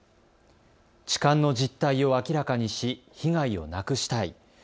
痴漢の実態を明らかにし被害をなくしたい。